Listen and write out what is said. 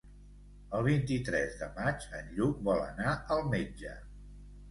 El vint-i-tres de maig en Lluc vol anar al metge.